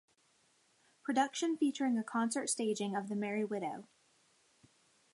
Production featuring a concert staging of The Merry Widow.